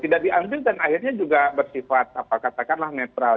tidak diambil dan akhirnya juga bersifat apa katakanlah netral